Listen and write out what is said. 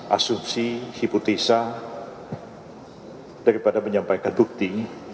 asumsi hipotesa daripada menyampaikan bukti